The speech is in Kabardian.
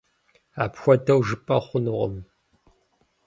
Апхуэдэу жыпӀэ хъунукъым.